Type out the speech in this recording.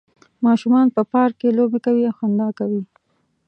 ماشومان په پارک کې لوبې کوي او خندا کوي